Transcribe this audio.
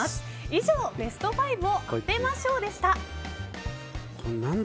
以上、ベスト５を当てましょうでした。